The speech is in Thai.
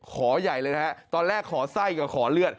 ขอใหญ่เลยนะฮะตอนแรกขอไส้กับขอเลือด